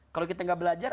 kalau kita gak belajar